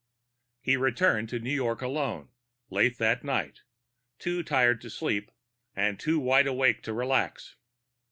XIX He returned to New York alone, later that night, too tired to sleep and too wide awake to relax.